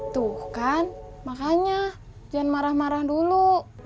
tuh kan makanya jangan marah marah dulu